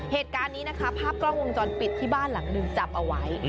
เหตุการณ์นี้นะคะภาพกล้องวงจรปิดที่บ้านหลังหนึ่งจับเอาไว้